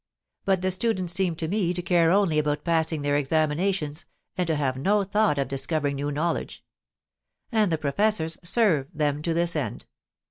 But the students seem to me to care only about passing their examinations and to have no thought of discovering new knowledge; and the professors "serve" them to this end.